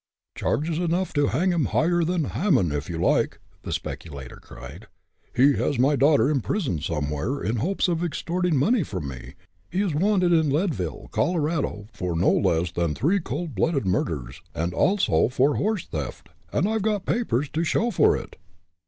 "Charges enough to hang him higher than Haman, if you like," the speculator cried. "He has my daughter imprisoned somewhere, in hopes of extorting money from me; he is wanted in Leadville, Colorado, for no less than three cold blooded murders, and also for horse theft, and I've got papers to show for it!"